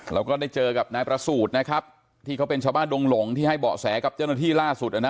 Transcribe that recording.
เราก็ได้เจอกับนายประสูจน์นะครับที่เขาเป็นชาวบ้านดงหลงที่ให้เบาะแสกับเจ้าหน้าที่ล่าสุดนะ